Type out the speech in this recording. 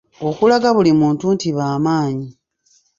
Okulaga buli muntu nti bamaanyi.